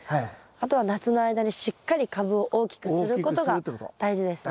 あとは夏の間にしっかり株を大きくすることが大事ですね。